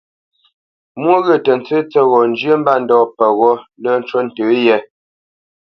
Mwô ghyə̂ tə tsə́ tsə́ghō njyə́ mbândɔ̂ peghó lə́ ncú ntə yē.